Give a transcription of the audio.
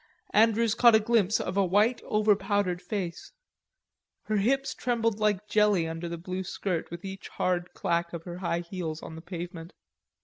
Andrews caught a glimpse of a white over powdered face; her hips trembled like jelly under the blue skirt with each hard clack of her high heels on the pavement.